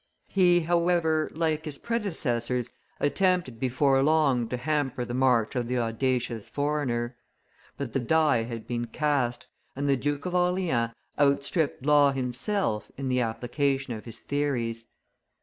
He, however, like his predecessors, attempted before long to hamper the march of the audacious foreigner; but the die had been cast, and the Duke of Orleans outstripped Law himself in the application of his theories.